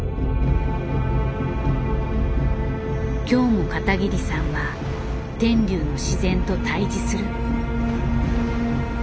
今日も片桐さんは天竜の自然と対峙する。